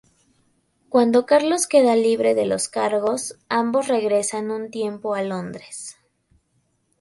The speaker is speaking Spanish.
Cuando Carlos queda libre de los cargos, ambos regresan un tiempo a Londres.